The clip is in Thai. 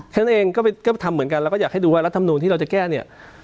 แค่นั้นเองก็ทำเหมือนกันแล้วก็อยากให้ดูว่ารัฐมนูลที่เราจะแก้เนี่ย